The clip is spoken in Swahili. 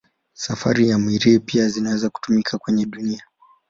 Safu za Mirihi pia zinaweza kutumika kwenye dunia.